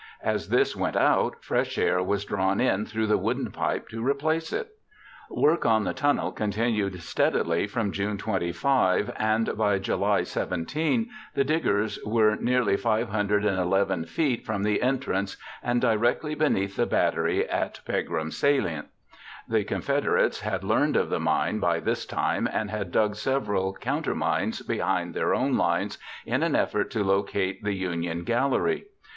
As this went out, fresh air was drawn in through the wooden pipe to replace it. Work on the tunnel continued steadily from June 25, and by July 17 the diggers were nearly 511 feet from the entrance and directly beneath the battery in Pegram's Salient. The Confederates had learned of the mine by this time and had dug several countermines behind their own lines in an effort to locate the Union gallery.